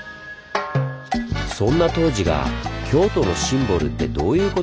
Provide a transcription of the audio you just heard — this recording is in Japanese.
そんな東寺が京都のシンボルってどういうことでしょう？